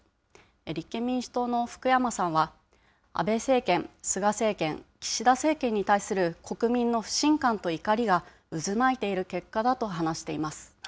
立憲民主党の福山さんは、安倍政権、菅政権、岸田政権に対する国民の不信感と怒りが渦巻いている結果だと話しています。